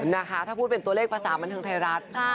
นะคะถ้าพูดเป็นตัวเลขภาษาบันเทิงไทยรัฐ